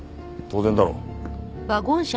当然だろ。